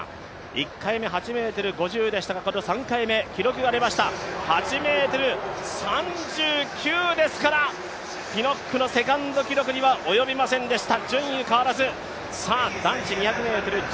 １回目８ｍ５０でしたが、３回目、８ｍ３９ですから、ピノックのセカンド記録には及びませんでした。